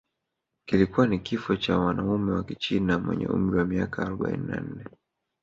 kilikuwa ni kifo cha mwanamume wa Kichina mwenye umri wa miaka arobaini na nne